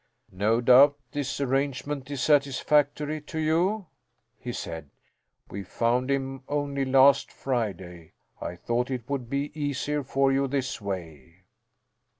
"No doubt this arrangement is satisfactory to you," he said. "We found him only last Friday. I thought it would be easier for you this way."